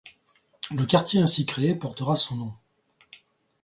Le quartier ainsi créé portera son nom.